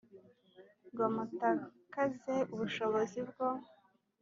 ngo mutakaze ubushobozi bwo